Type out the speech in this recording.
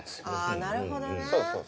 あぁなるほどね。